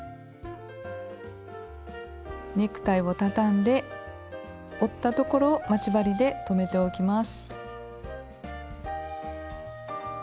ネクタイをたたんで折ったところを待ち針で留めておきます。